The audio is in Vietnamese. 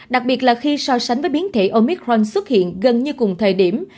đặc biệt là khi so sánh với biến thể omitron xuất hiện gần như cùng thời điểm